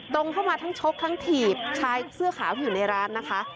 ตรงเข้ามาทั้งชกทั้งถีบชายเสื้อขาวที่อยู่ในร้านนะคะ